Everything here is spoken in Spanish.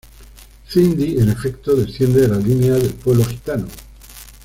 Cindy en efecto, desciende de la línea del pueblo gitano.